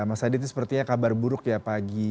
mas adit itu sepertinya kabar buruk ya pagi